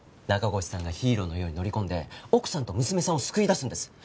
中越さんがヒーローのように乗り込んで奥さんと娘さんを救い出すんです。